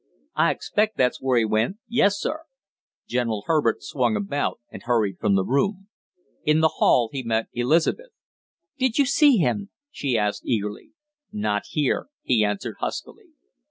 "I expect that's where he went, yes, sir." General Herbert swung about and hurried from the room. In the hall he met Elizabeth. "Did you see him?" she asked eagerly. "Not here," he answered huskily.